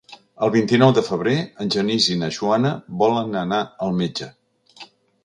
El vint-i-nou de febrer en Genís i na Joana volen anar al metge.